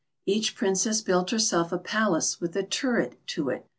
Each Princess built herself a palace with a turret to it.